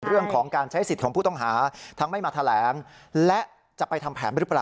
เรื่องของการใช้สิทธิ์ของผู้ต้องหาทั้งไม่มาแถลงและจะไปทำแผนหรือเปล่า